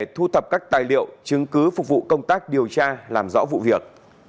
thu thập các tài liệu chứng cứ phục vụ công tác điều tra làm rõ vụ việc